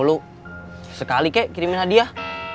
sepuluh sekali kek kirimin hadiah